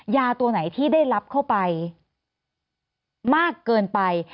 ยาตัวไหนที่ได้รับเข้าไปมากเกินไป